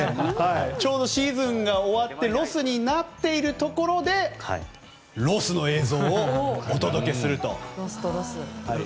ちょうどシーズンが終わってロスになっているところでロスの映像をお届けすると。